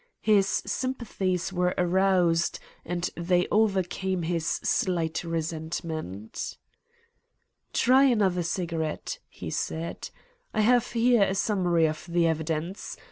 His sympathies were aroused, and they overcame his slight resentment. "Try another cigarette," he said, "I have here a summary of the evidence.